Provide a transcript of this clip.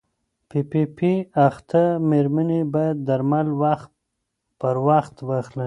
پي پي پي اخته مېرمنې باید درمل وخت پر وخت واخلي.